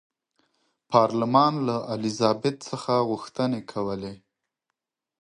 پارلمان له الیزابت څخه غوښتنې کولې.